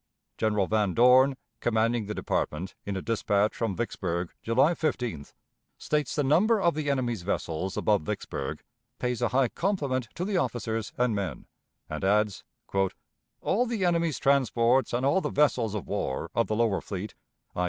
General Van Dorn, commanding the department, in a dispatch from Vicksburg, July 15th, states the number of the enemy's vessels above Vicksburg, pays a high compliment to the officers and men, and adds: "All the enemy's transports and all the vessels of war of the lower fleet (i.